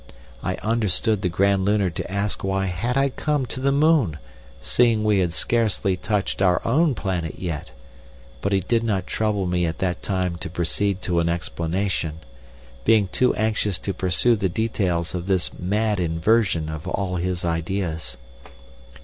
I understood the Grand Lunar to ask why had I come to the moon seeing we had scarcely touched our own planet yet, but he did not trouble me at that time to proceed to an explanation, being too anxious to pursue the details of this mad inversion of all his ideas.